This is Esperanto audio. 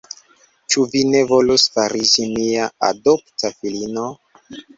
Ĉu vi ne volus fariĝi mia adopta filino?